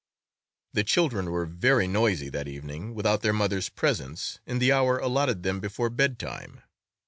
The children were very noisy that evening, without their mother's presence, in the hour allotted them before bedtime.